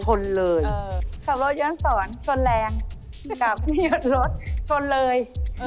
ขับรถย้อนสอนชนแรงกลับไม่หยุดรถชนเลย